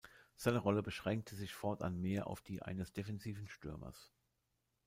Seine Rolle beschränkte sich fortan mehr auf die eines defensiven Stürmers.